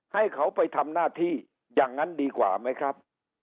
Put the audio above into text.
ให้เขาไปทำหน้าที่อย่างนั้นดีกว่าไหมครับ